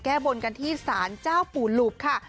แก้บนกันที่สารเจ้าปุ๋รุบค่ะ